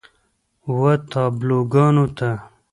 و تابلوګانو ته